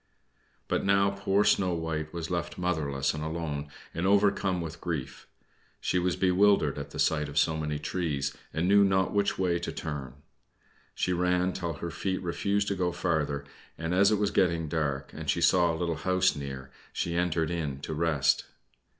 But now poor little Snow White was left motherless and alone, and overcome with grief, she was bewildered at the sight of so many trees, and knew not which way to turn. She ran till her feet refused to go farther, and as it was getting dark, and she saw a little house near, she entered in to rest.